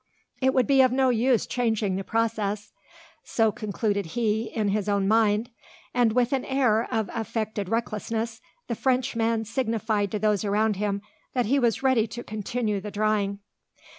It would be of no use changing the process, so concluded he, in his own mind, and, with an air of affected recklessness, the Frenchman signified to those around him that he was ready to continue the drawing.